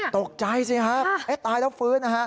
ตกใจสิฮะตายแล้วฟื้น